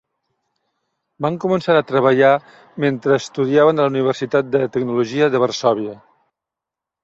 Van començar a treballar mentre estudiaven a la Universitat de Tecnologia de Varsòvia.